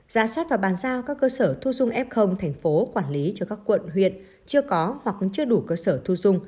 giá soát và bàn giao các cơ sở thu dung f thành phố quản lý cho các quận huyện chưa có hoặc chưa đủ cơ sở thu dung